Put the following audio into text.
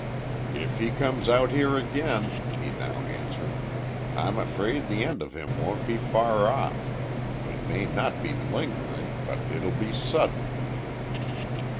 "If he comes out here again," he now answered, "I'm afraid the end of him won't be far off. It may not be lingering, but it'll be sudden."